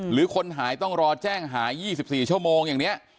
หรือคนหายต้องรอแจ้งหาย๒๔ชั่วโมงอย่างนี้